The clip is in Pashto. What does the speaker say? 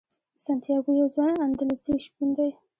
سانتیاګو یو ځوان اندلسي شپون دی.